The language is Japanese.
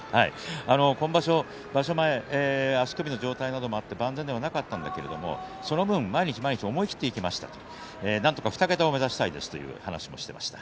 今場所場所前と足首の状態などがあって万全ではありませんでしたがその分毎日、毎日思い切っていきましたなんとか２桁を目指したいですという話でした。